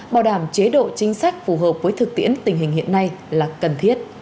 bảo đảm chế độ chính sách phù hợp với thực tiễn tình hình hiện nay là cần thiết